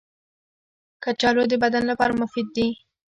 کچالو د بدن لپاره مفید دي